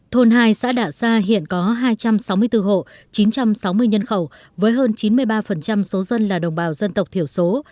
thôn hai xã đạ sa hiện có hai trăm sáu mươi bốn hộ chín trăm sáu mươi nhân khẩu với hơn chín mươi ba số dân là đồng bào dân tộc thiểu số